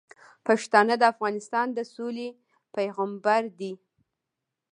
پښتانه د افغانستان د سولې پیغامبر دي.